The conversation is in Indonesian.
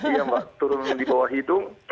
iya mbak turun di bawah hidung